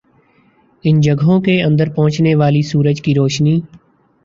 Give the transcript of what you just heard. ان جگہوں کے اندر پہنچنے والی سورج کی روشنی